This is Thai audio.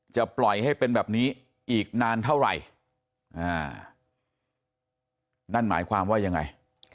ปล่อยให้เป็นแบบนี้อีกนานเท่าไหร่อ่านั่นหมายความว่ายังไง